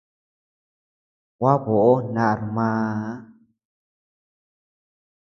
Gua boʼö nar maa.